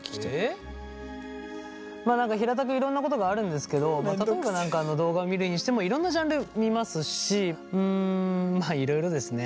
何か平たくいろんなことがあるんですけど例えば何か動画見るにしてもいろんなジャンル見ますしうんまあいろいろですね。